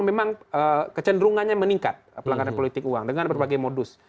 memang kecenderungannya meningkat pelanggaran politik uang dengan berbagai modus